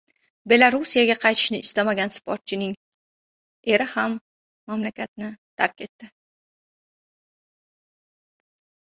Belorussiyaga qaytishni istamagan sportchining eri ham mamlakatni tark etdi